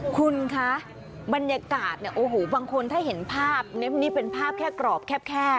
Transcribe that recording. คุณคะบรรยากาศเนี่ยโอ้โหบางคนถ้าเห็นภาพนี้เป็นภาพแค่กรอบแคบ